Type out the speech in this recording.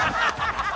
ハハハハ！